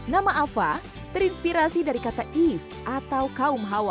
nama afa terinspirasi dari kata eve atau kaum hawa